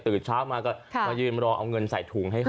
ตื่นเช้ามาก็ค่ะมายืนมารอเอาเงินใส่ถุงให้เผ่า